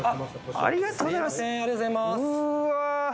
ありがとうございますうわ